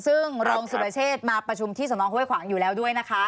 ซึ่งรองสุรเชษมาประชุมที่สนห้วยขวางอยู่แล้วด้วยนะคะ